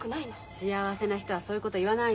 幸せな人はそういうこと言わないの。